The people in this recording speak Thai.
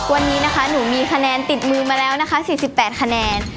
วันนี้นะคะหนูมีคะแนนติดมือมาแล้วนะคะ๔๘คะแนน